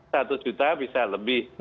satu juta bisa lebih